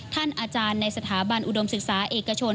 อาจารย์ในสถาบันอุดมศึกษาเอกชน